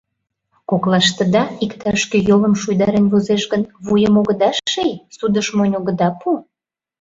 — Коклаштыда иктаж-кӧ йолым шуйдарен возеш гын, вуйым огыда ший, судыш монь огыда пу?